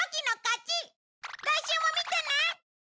来週も見てね！